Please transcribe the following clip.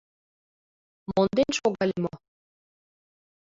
Монден шогале мо?